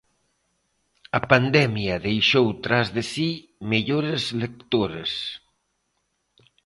A pandemia deixou tras de si mellores lectores.